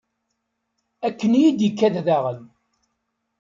Akken i yi-d-ikad daɣen.